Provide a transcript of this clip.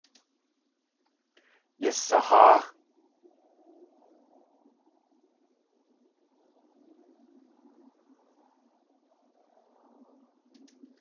Yasaháa!